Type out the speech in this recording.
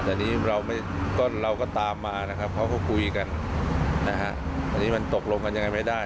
แต่อันนี้เราก็ตามมานะครับเขาก็คุยกันนะฮะอันนี้มันตกลงกันยังไงไม่ได้